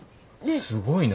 すごいな。